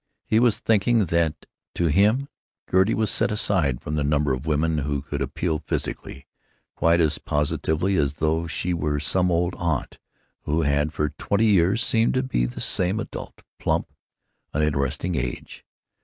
He was thinking that, to him, Gertie was set aside from the number of women who could appeal physically, quite as positively as though she were some old aunt who had for twenty years seemed to be the same adult, plump, uninteresting age.